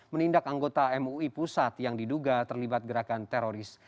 menindak anggota mui pusat yang diduga terlibat gerakan teroris